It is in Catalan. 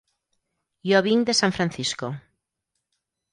Jo vinc de San Francisco.